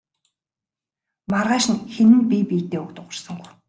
Маргааш нь хэн нь бие биедээ үг дуугарсангүй.